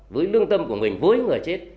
với lương tâm của mình với người chết